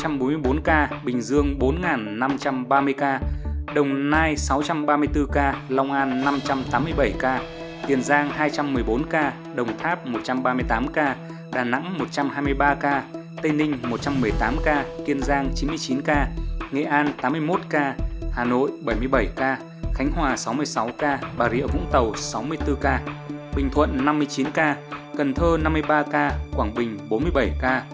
tại tp hcm là năm bốn trăm bốn mươi bốn ca bình dương bốn năm trăm ba mươi ca đồng nai sáu trăm ba mươi bốn ca long an năm trăm tám mươi bảy ca tiền giang hai trăm một mươi bốn ca đồng tháp một trăm ba mươi tám ca đà nẵng một trăm hai mươi ba ca tây ninh một trăm một mươi tám ca tiền giang chín mươi chín ca nghệ an tám mươi một ca hà nội bảy mươi bảy ca khánh hòa sáu mươi sáu ca bà rịa vũng tàu sáu mươi bốn ca bình thuận năm mươi chín ca cần thơ năm mươi ba ca quảng bình bốn mươi bảy ca